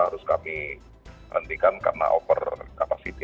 harus kami hentikan karena over capacity